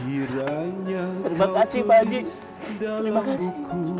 terima kasih pak ustadz